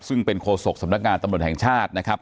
ซึ่งเป็นโคศกสำนักงานตำรวจแห่งชาตินะครับ